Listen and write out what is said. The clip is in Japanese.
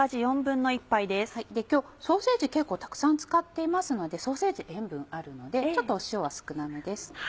今日ソーセージ結構たくさん使っていますのでソーセージ塩分あるのでちょっと塩は少なめです。